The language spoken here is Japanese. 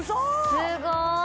すごい！